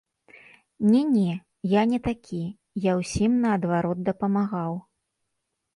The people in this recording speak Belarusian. Не-не, я не такі, я ўсім наадварот дапамагаў.